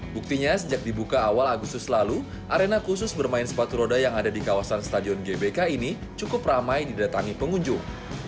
buktinya sejak dibuka awal agustus lalu arena khusus bermain sepatu roda yang ada di kawasan stadion gbk ini cukup ramai didatangi pengunjung